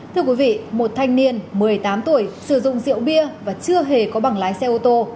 thưa quý vị một thanh niên một mươi tám tuổi sử dụng rượu bia và chưa hề có bằng lái xe ô tô